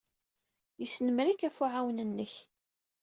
Yesnemmer-ik ɣef uɛawen-nnek.